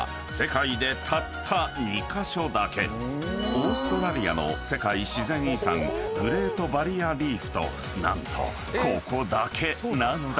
［オーストラリアの世界自然遺産グレート・バリア・リーフと何とここだけなのだ］